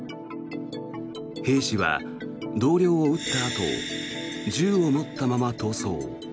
兵士は同僚を撃ったあと銃を持ったまま逃走。